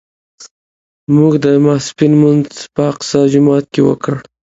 موږ د ماسپښین لمونځ په اقصی جومات کې وکړ.